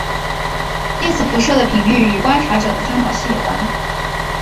电磁辐射的频率与观察者的参考系有关。